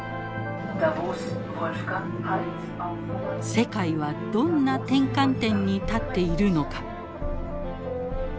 世界はどんな転換点に立っているのか。